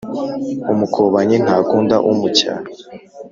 Umukobanyi ntakunda umucyaha